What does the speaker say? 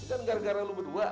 itu kan gara gara lu berdua